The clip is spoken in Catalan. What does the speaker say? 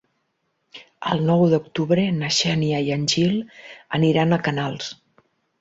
El nou d'octubre na Xènia i en Gil aniran a Canals.